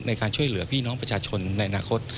ในการช่วยเหลือพี่น้องประชาชนในอนาคต